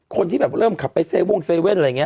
คนที่แบบเริ่มขับไป๗๑๑อะไรอย่างเงี้ย